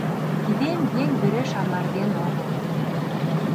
Кидем еҥ вӱреш амырген огыл.